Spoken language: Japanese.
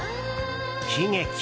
悲劇。